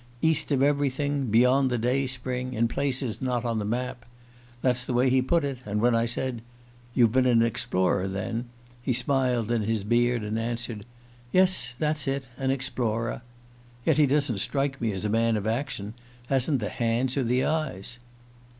'East of everything beyond the day spring. In places not on the map.' That's the way he put it; and when I said: 'You've been an explorer, then?' he smiled in his beard, and answered: 'Yes; that's it an explorer.' Yet he doesn't strike me as a man of action: hasn't the hands or the eyes."